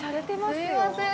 すいません